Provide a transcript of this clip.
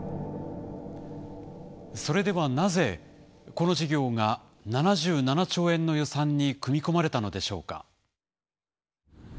それではなぜこの事業が７７兆円の予算に組み込まれたのでしょうか。